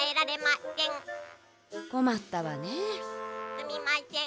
すみません。